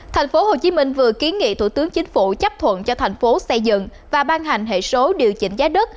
tp hcm vừa kiến nghị thủ tướng chính phủ chấp thuận cho thành phố xây dựng và ban hành hệ số điều chỉnh giá đất